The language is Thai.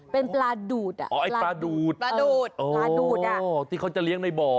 เป็นปลาดูดอะปลาดูดอะอ๋อที่เขาจะเลี้ยงในบ่อ